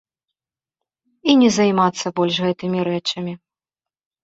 І не займацца больш гэтымі рэчамі.